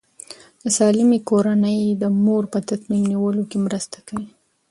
د سالمې کورنۍ د مور په تصمیم نیول کې مرسته کوي.